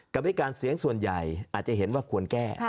กรรมธิการเสียงส่วนใหญ่อาจจะเห็นว่าควรแก้